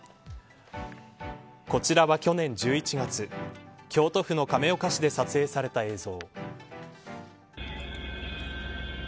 こちらは去年１１月京都府の亀岡市で撮影された映像。